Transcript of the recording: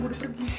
lu udah pergi